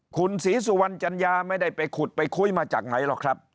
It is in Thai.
คุณศรีสุวรรณจัญญาไม่ได้ไปขุดไปคุยมาจากไหนหรอกครับ